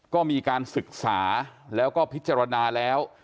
ก็มีการศึกษาแล้วก็พิจารณาแล้ว